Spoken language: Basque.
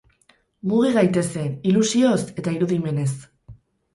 Mugi gaitezen, ilusioz eta irudimenez.